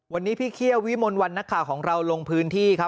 วันนี้พี่เคี่ยววิมลวันนักข่าวของเราลงพื้นที่ครับ